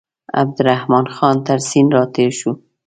عبدالرحمن خان تر سیند را تېر شو.